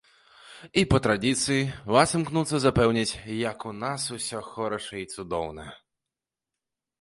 І па традыцыі вас імкнуцца запэўніць, як у нас усё хораша і цудоўна.